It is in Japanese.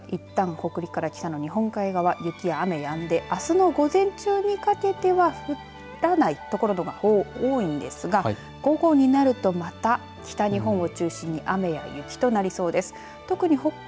今夜いったん北陸から北の日本海側、雪や雨やんであすの午前中にかけては降らない所のほうが多いんですが午後になるとまた北日本を中心に雨や雪となりそうです。